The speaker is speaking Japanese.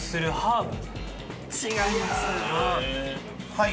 はい。